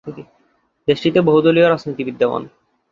দেশটিতে বহুদলীয় রাজনীতি বিদ্যমান।